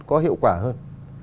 có hiệu quả hơn